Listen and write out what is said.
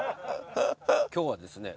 今日はですね